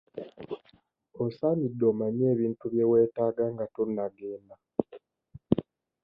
Osaanidde omanye ebintu bye weetaaga nga tonnagenda.